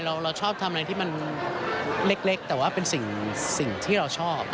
เราชอบทำอะไรที่มันเล็กแต่ว่าเป็นสิ่งที่เราชอบ